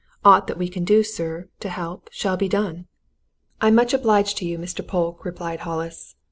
Aught that we can do, sir, to help, shall be done." "I'm much obliged to you, Mr. Polke," replied Hollis.